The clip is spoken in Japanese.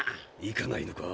行かないのか？